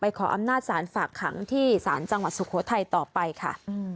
ขออำนาจศาลฝากขังที่ศาลจังหวัดสุโขทัยต่อไปค่ะ